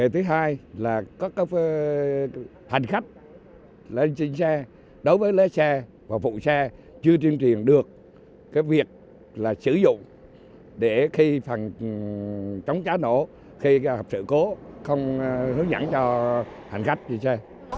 thứ hai là có các hành khách lên trên xe đối với lái xe và phụ xe chưa truyền được cái việc sử dụng để khi phần chóng trá nổ khi gặp sự cố không hướng dẫn cho hành khách trên xe